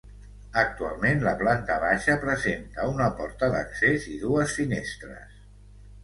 Actualment la planta baixa presenta una porta d'accés i dues finestres.